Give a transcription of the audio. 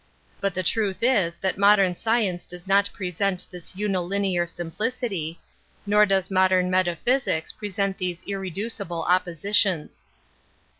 But the truth is that rai>dern science does not present this unilinear simplicity, nor di modern metaphysics present these ii ducible oppositions.